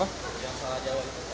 pak bunga sdi media